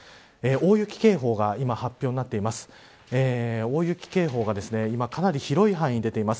大雪警報が今発表になっています。